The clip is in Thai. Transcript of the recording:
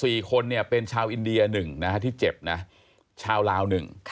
อีก๔คนเป็นชาวอินเดีย๑นะครับที่เจ็บนะชาวลาว๑